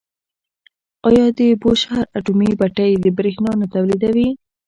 آیا د بوشهر اټومي بټۍ بریښنا نه تولیدوي؟